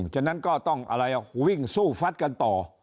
จนก็ต้องวิ่งสู้ฟัดกันต่อ